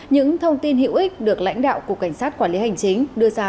những thông tin hữu ích được lãnh đạo cục cảnh sát quản lý hành chính đưa ra